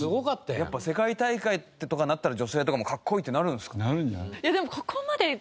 やっぱ世界大会とかなったら女性とかも「かっこいい！」ってなるんですかね？